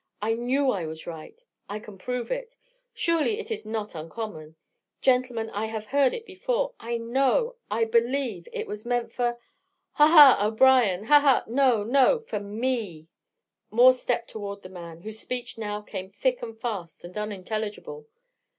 I knew I was right. I can prove it. Surely it is not uncommon. Gentlemen, I have heard it before. I know I believe it was meant for ha! ha! O'Brien ha! ha! no! no! for me!" Moore stepped toward the man, whose speech now came thick and fast and unintelligible.